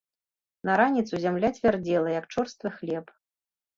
На раніцу зямля цвярдзела, як чорствы хлеб.